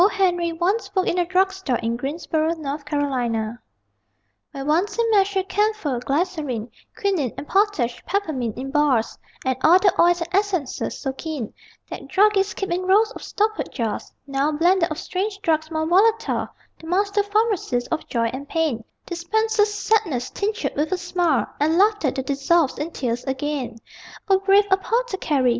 Henry" once worked in a drug store in Greensboro, N.C.) Where once he measured camphor, glycerine, Quinine and potash, peppermint in bars, And all the oils and essences so keen That druggists keep in rows of stoppered jars Now, blender of strange drugs more volatile, The master pharmacist of joy and pain Dispenses sadness tinctured with a smile And laughter that dissolves in tears again. O brave apothecary!